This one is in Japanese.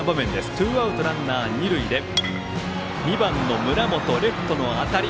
ツーアウトランナー、二塁で２番の村本、レフトへの当たり。